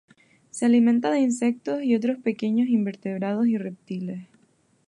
Se alimenta de insectos y otros pequeños invertebrados y reptiles.